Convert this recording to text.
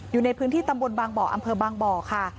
อยู่ในพื้นที่ตำบลบางบ่ออำเภอบางบ่อค่ะ